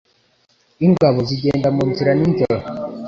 Ingabo zigenda munzira ni njoro